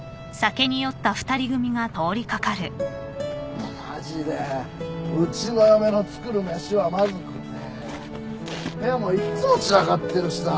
・もうマジでうちの嫁の作る飯はまずくて部屋もいっつも散らかってるしさ。